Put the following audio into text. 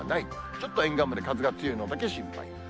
ちょっと沿岸部で風が強いのだけ心配。